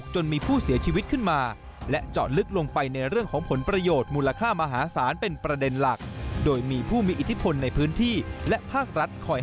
เจาะประเด็นจากรายงานครับ